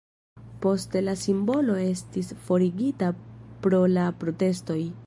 Poste la simbolo estis forigita pro la protestoj.